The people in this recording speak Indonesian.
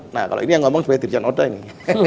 nah kalau ini yang ngomong sebagai dirjan oda ini